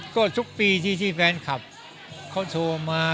ก็ทุกปีที่แฟนคลับเขาโทรมา